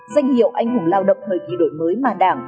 danh hiệu anh hùng lao động thời kỳ đổi mới mà đảng